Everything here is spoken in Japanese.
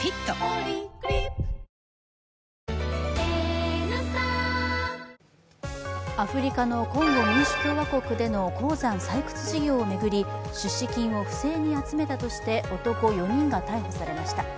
ポリグリップアフリカのコンゴ民主共和国での鉱山採掘事業を巡り出資金を不正に集めたとして男４人が逮捕されました。